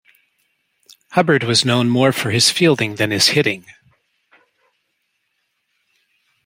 Hubbard was known more for his fielding than his hitting.